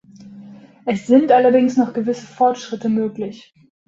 Es sind allerdings noch gewisse Fortschritte möglich.